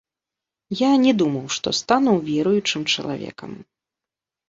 Я не думаў, што стану веруючым чалавекам.